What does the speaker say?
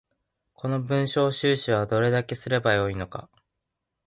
この文章収集はどれだけすれば良いのか